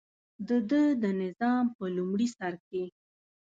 دده د نظام په لومړي سر کې.